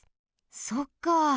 そっか。